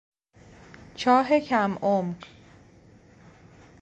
چاه کم عمق